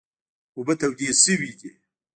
اوبه تودې شوي دي .